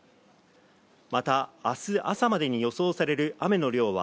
また明日朝までに予想される雨の量は